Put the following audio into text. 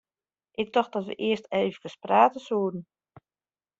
Ik tocht dat wy earst eefkes prate soene.